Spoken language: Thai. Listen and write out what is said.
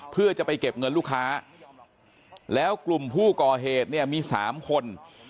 เพื่อจะไปเก็บเงินลูกค้าแล้วกลุ่มผู้ก่อเหตุเนี่ยมี๓คน